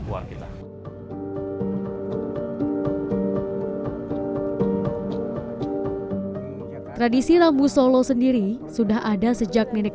punya perasaan merasa bangga sebagai anak